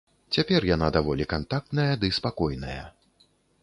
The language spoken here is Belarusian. Цяпер яна даволі кантактная ды спакойная.